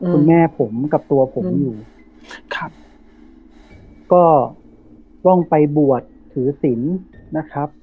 คุณแม่ผมกับตัวผมอยู่ครับก็ต้องไปบวชถือศิลป์นะครับ